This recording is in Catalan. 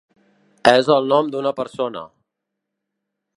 És el nom d'una persona.